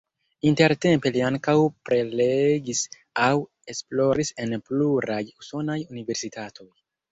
Intertempe li ankaŭ prelegis aŭ esploris en pluraj usonaj universitatoj.